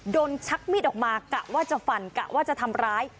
ชักมีดออกมากะว่าจะฟันกะว่าจะทำร้าย